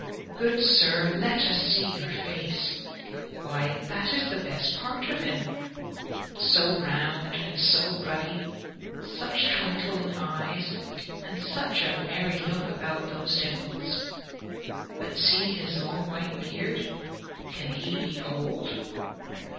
Good sir, let us see your face why! that is the best part of him so round and so ruddy, such twinkling eyes, and such a merry look about those dimples! But see his long white beard can he be old?